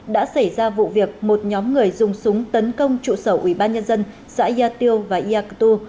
đã xảy ra vụ việc một nhóm người dùng súng tấn công trụ sở ủy ban nhân dân xã yatio và yatotu